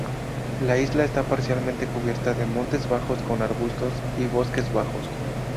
La isla está parcialmente cubierta de montes bajos con arbustos y bosques bajos.